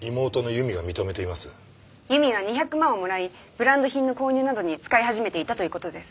由美は２００万をもらいブランド品の購入などに使い始めていたという事です。